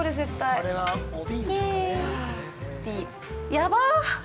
やばっ。